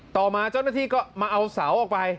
ต่อมาเจ้าหน้าที่ก็มาเอาเสาออกไป